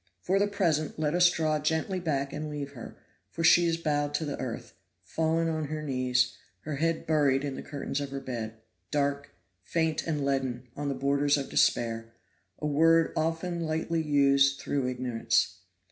For the present let us draw gently back and leave her, for she is bowed to the earth fallen on her knees, her head buried in the curtains of her bed; dark, faint and leaden, on the borders of despair a word often lightly used through ignorance.